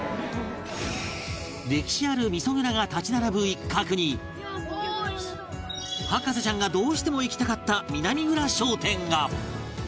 歴史ある味噌蔵が立ち並ぶ一角に博士ちゃんがどうしても行きたかった南蔵商店が